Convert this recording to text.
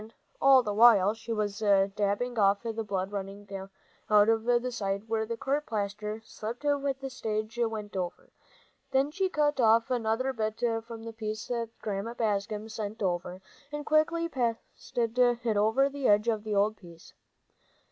All the while she was dabbing off the blood running out of the side where the court plaster slipped when the stage went over. Then she cut off another bit from the piece Grandma sent over, and quickly pasted it over the edge of the old piece.